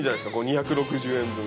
２６０円分。